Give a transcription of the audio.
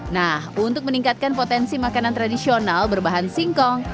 nah untuk meningkatkan potensi makanan tradisional berbahan singkong